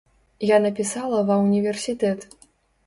Я напісала ва ўніверсітэт.